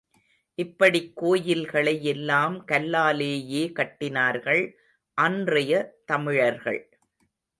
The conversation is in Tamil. இப்படிக் கோயில்களை எல்லாம் கல்லாலேயே கட்டினார்கள், அன்றைய தமிழர்கள்.